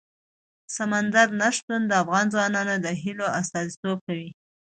سمندر نه شتون د افغان ځوانانو د هیلو استازیتوب کوي.